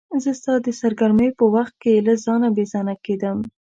زه ستا د سرګرمیو په وخت کې له ځانه بې ځانه کېدم.